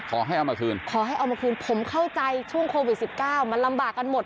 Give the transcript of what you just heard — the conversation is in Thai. ขอให้เอามาคืนขอให้เอามาคืนผมเข้าใจช่วงโควิด๑๙มันลำบากกันหมด